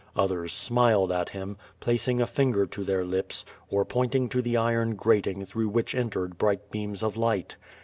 Others smiled at him, placing a finger to their lips, or point ing to the iron grating through which entered bright beams of light.